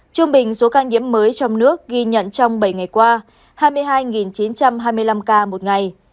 trung bình số ca nhiễm mới trong nước ghi nhận trong bảy ngày qua hai mươi hai chín trăm hai mươi năm ca một ngày